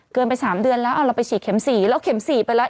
เกินไป๓เดือนแล้วเอาเราไปฉีดเข็ม๔แล้วเข็ม๔ไปแล้ว